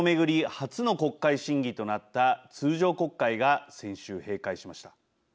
初の国会審議となった通常国会が先週閉会しました。